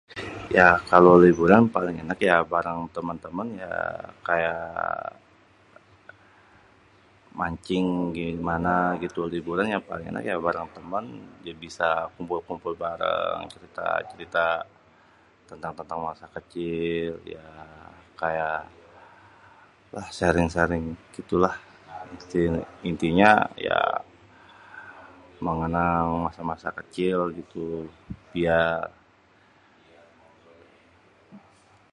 Ya kalo liburan paling enak ya bareng temen-temen ya kaya mancing dimana gitu. Liburan ya paling enak bareng temen jadi bisa kumpul-kumpul bareng cerita-cerita tentang warna-warna kecil kaya lah sering-sering gitulah, intinya ya mengenang masa-masa kecil gitu biar.